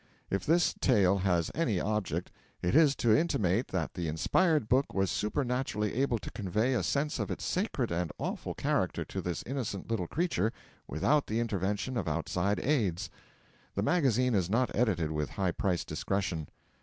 If this tale has any object, it is to intimate that the inspired book was supernaturally able to convey a sense of its sacred and awful character to this innocent little creature without the intervention of outside aids. The magazine is not edited with high priced discretion.